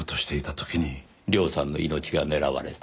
涼さんの命が狙われた。